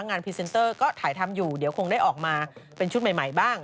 พรีเซนเตอร์ก็ถ่ายทำอยู่เดี๋ยวคงได้ออกมาเป็นชุดใหม่บ้าง